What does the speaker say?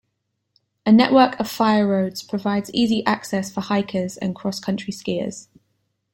A network of fire roads provides easy access for hikers and cross-country skiers.